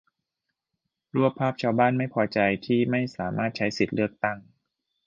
รวบภาพชาวบ้านไม่พอใจที่ไม่สามารถใช้สิทธิเลือกตั้ง